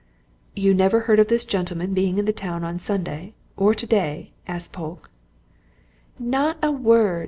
"You never heard of this gentleman being in the town on Sunday or today?" asked Polke. "Not a word!"